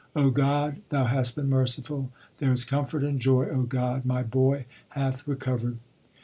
1 God, Thou hast been merciful. There is comfort and joy, O God ; my boy hath recovered.